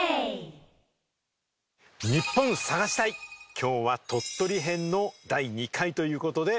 今日は鳥取編の第２回ということで。